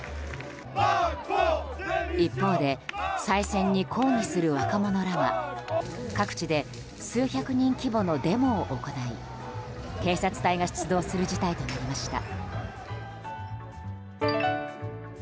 一方で、再選に抗議する若者らが各地で数百人規模のデモを行い警察隊が出動する事態となりました。